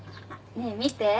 ねえ見て。